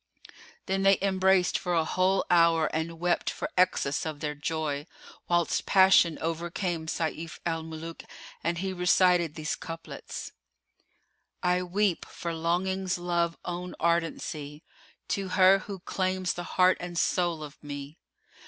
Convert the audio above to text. Then they embraced for a whole hour and wept for excess of their joy, whilst passion overcame Sayf al Muluk and he recited these couplets, "I weep for longing love's own ardency * To her who claims the heart and soul of me.